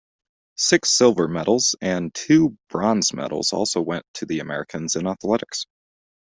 Six silver medals and two bronze medals also went to the Americans in athletics.